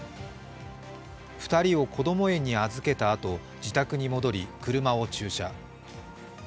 ２人をこども園に預けたあと自宅に戻り車を駐車。